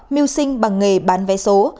mưu sinh bằng nghề bán vé số